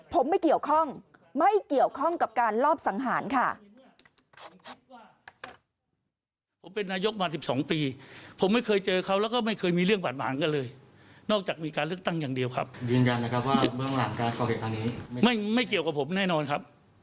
ผมไม่เกี่ยวข้องไม่เกี่ยวข้องกับการลอบสังหารค่ะ